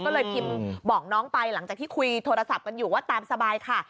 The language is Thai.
ก็เลยพิมพ์บอกน้องไปหลังจากที่คุยโทรศัพท์กันอยู่ว่าตามสบายค่ะ